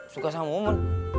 suka sama mumun